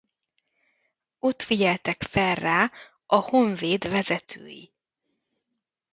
Ott figyeltek fel rá a Honvéd vezetői.